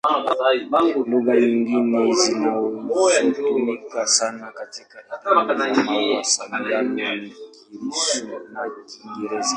Lugha nyingine zinazotumika sana katika elimu na mawasiliano ni Kirusi na Kiingereza.